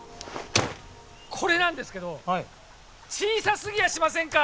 これなんですけど小さすぎやしませんか！？